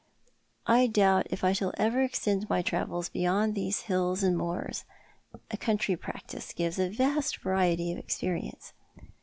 I doubt if I shall ever extend my travels beyond these hills and moors. A country practice gives a vast variety of experience."